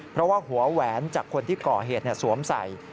เพราะว่าหัวแหวนจากคนที่ก่อเหตุสวมใส่